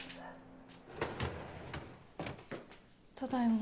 ただいま。